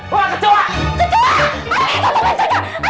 wah kecoa kecoa